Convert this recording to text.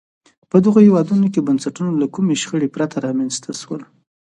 په دغو هېوادونو کې بنسټونه له کومې شخړې پرته رامنځته شول.